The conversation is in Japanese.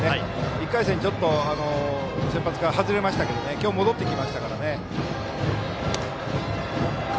１回戦、先発から外れましたけど今日戻ってきましたから。